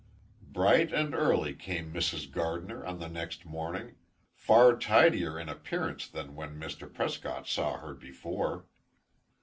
Bright and early came Mrs. Gardiner on the next morning, far tidier in appearance than when Mr. Prescott saw her before.